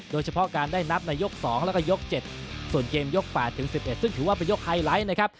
โดยเฉพาะการได้นับในยก๒แล้วก็ยก๗ส่วนเกมยก๘๑๑ซึ่งถือว่าเป็นยกไฮไลท์นะครับ